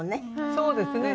そうですね。